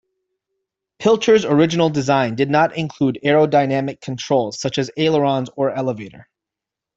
Pilcher's original design did not include aerodynamic controls such as ailerons or elevator.